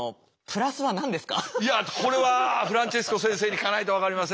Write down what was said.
いやこれはフランチェスコ先生に聞かないと分かりません。